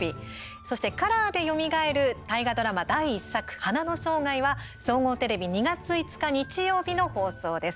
そして、カラーでよみがえる大河ドラマ第１作「花の生涯」は総合テレビ２月５日日曜日の放送です。